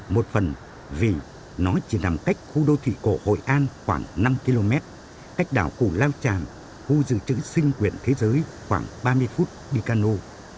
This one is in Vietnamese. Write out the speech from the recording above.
một phần vì nó chỉ nằm cách khu đô thị cổ hội an khoảng năm km cách đảo củ lao tràm khu dự trữ sinh quyền thế giới khoảng ba mươi phút bi cano